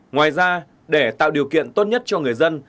ngoài ra để tạo điều kiện tốt nhất cho người dân